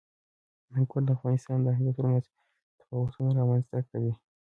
انګور د افغانستان د ناحیو ترمنځ تفاوتونه رامنځ ته کوي.